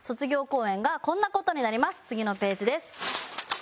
次のページです。